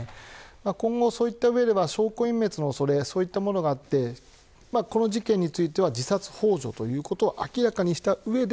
今後、そういった上で証拠隠滅の恐れがあってこの事件については自殺ほう助ということは明らかにした上で